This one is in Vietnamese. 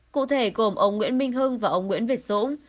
cụ thể gồm ông nguyễn minh hưng và ông nguyễn việt dũng